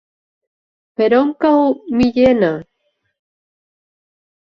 Per on cau Millena?